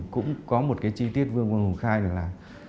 cũng có một chi tiết vương văn hùng khai là